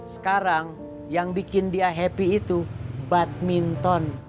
sekarang yang bikin dia happy itu badminton